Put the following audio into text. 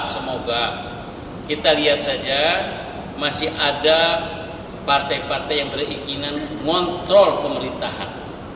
semoga kita lihat saja masih ada partai partai yang berikinan ngontrol pemerintahan